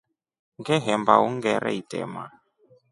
Ngehemba ungere itrema.